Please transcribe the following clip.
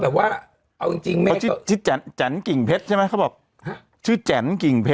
เอออะไรถึง